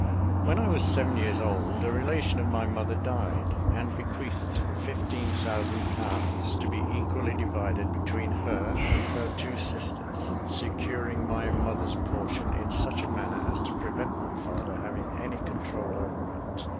"When I was seven years old, a relation of my mother died, and bequeathed fifteen thousand pounds, to be equally divided between her and her two sisters, securing my mother's portion in such a manner as to prevent my father having any control over it.